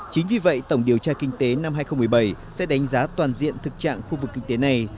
chính vì vậy tổng điều tra kinh tế năm hai nghìn một mươi bảy sẽ đánh giá toàn diện thực trạng khu vực kinh tế này